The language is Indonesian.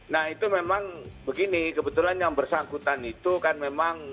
nah itu memang begini kebetulan yang bersangkutan itu kan memang